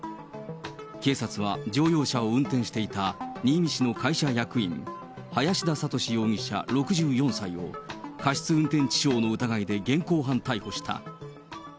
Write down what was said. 警察は乗用車を運転していた新見市の会社役員、林田覚容疑者６４歳を、過失運転致傷の疑いで現行犯逮捕した。